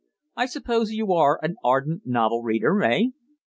I suppose you are an ardent novel reader eh?